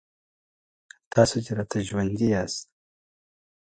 کتابچه د مشق ځای دی